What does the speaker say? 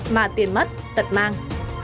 mà tiền mất tật mang